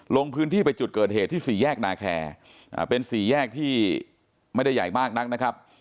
ลงพื้นที่ไปจุดเกิดเหตุที่สี่แยกนาแคร์เป็นสี่แยกที่ไม่ได้ใหญ่มากนักนะครับ